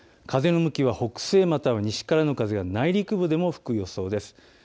風の向きは北西、または西からの風が内陸部でも吹く予想です。